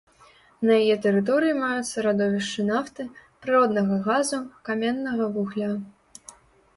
На яе тэрыторыі маюцца радовішчы нафты, прыроднага газу, каменнага вугля.